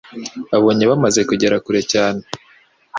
Abonye bamaze kugera kure cyane